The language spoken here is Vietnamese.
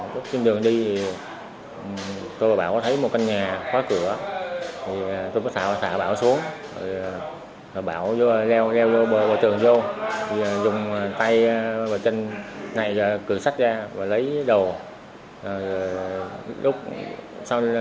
lúc trên đường đi tôi và bảo thấy một căn nhà khóa cửa tôi thả bảo xuống bảo leo bờ trường vô dùng tay bờ chân này cửa sách ra và lấy đồ